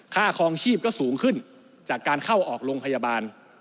ค่าคลองชีพก็สูงขึ้นจากการเข้าออกโรงพยาบาล